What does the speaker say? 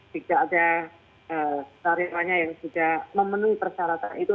jika ada tarifannya yang sudah memenuhi persyaratan itu